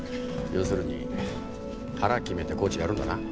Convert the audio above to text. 要するに腹決めてコーチやるんだな？